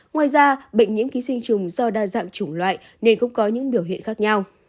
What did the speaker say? ngoài ra bệnh nhiễm ký sinh trùng do đa dạng chủng loại nên cũng có những biểu hiện khác nhau